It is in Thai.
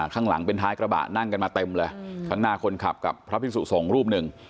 ข้างหลังเป็นท้ายกระบะนั่งกันมาเต็มเลยข้างหน้าคนขับกับพระพิสุสงฆ์รูปหนึ่ง